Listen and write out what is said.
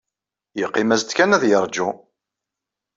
Yeqqim-as-d kan ad yeṛju.